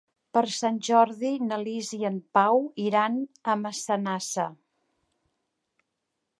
Per Sant Jordi na Lis i en Pau iran a Massanassa.